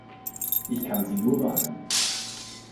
Ich kann Sie nur warnen.